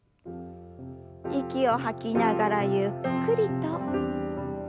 息を吐きながらゆっくりと。